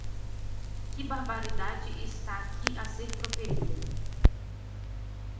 Que barbaridade está aqui a ser proferida!